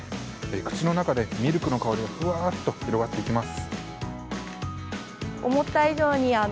口の中でミルクの香りがふわっと広がっていきます。